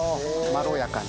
まろやかに。